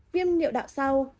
viêm niệu đạo sau